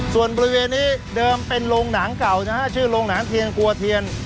ส่วนบริเวณนี้เดิมเป็นโรงหนังเก่านะฮะชื่อโรงหนังเทียนกลัวเทียน